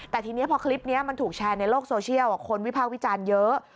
แต่ทีนี้พอคลิปนี้มันถูกแชร์ในโลกโซเชียลคนวิพากษ์วิจารณ์เยอะ